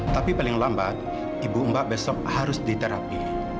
tapi paling lambat ibu mbak besok harus diterapi